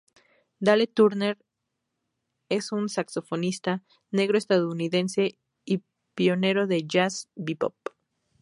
Dale Turner es un saxofonista negro estadounidense y pionero del jazz bebop.